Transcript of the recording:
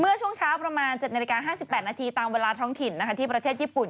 เมื่อช่วงเช้าประมาณ๗นาฬิกา๕๘นาทีตามเวลาท้องถิ่นที่ประเทศญี่ปุ่น